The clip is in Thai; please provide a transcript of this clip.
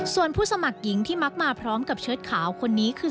ส่วนผู้สมัครหญิงที่มักมาพร้อมกับเชิดขาวคนนี้คือ